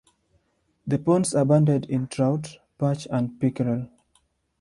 The ponds abounded in trout, perch and pickerel.